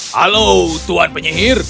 halo tuan penyihir